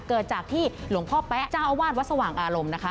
เกิดจากที่หลวงพ่อแป๊ะเจ้าอาวาสวัดสว่างอารมณ์นะคะ